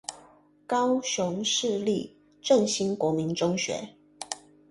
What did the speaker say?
高雄市立正興國民中學